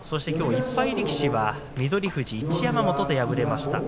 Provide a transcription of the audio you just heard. １敗力士は翠富士、一山本と敗れました。